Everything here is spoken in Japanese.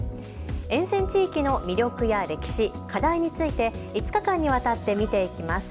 沿線地域の魅力や歴史、課題について５日間にわたって見ていきます。